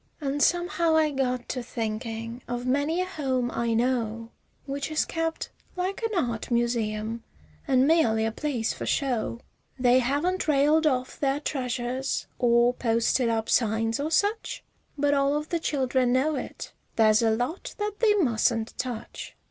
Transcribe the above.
An' somehow I got to thinkin' of many a home I know Which is kept like an art museum, an' merely a place for show; They haven't railed off their treasures or posted up signs or such, But all of the children know it there's a lot that they mustn't touch.